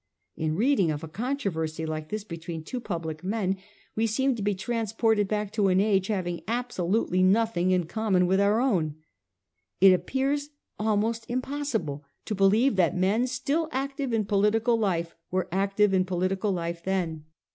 In reading of a controversy like this between two public men, we seem to be transported back to an age having abso lutely nothing in common with our own. It appears almost impossible to believe that men still active in political life were active in political life then.